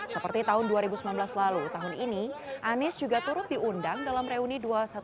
seperti tahun dua ribu sembilan belas lalu tahun ini anies juga turut diundang dalam reuni dua ratus dua belas